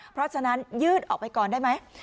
เพราะฉะนั้นยื่นออกไปก่อนได้ไหม